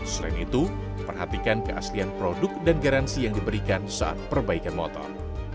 selain itu perhatikan keaslian produk dan garansi yang diberikan saat perbaikan motor